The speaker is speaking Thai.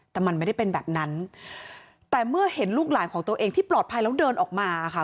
แต่มันไม่ได้เป็นแบบนั้นแต่เมื่อเห็นลูกหลานของตัวเองที่ปลอดภัยแล้วเดินออกมาค่ะ